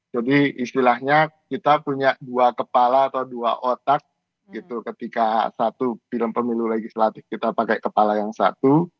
jadi istilahnya kita punya dua kepala atau dua otak gitu ketika satu pilihan pemilu legislatif kita pakai kepala yang satu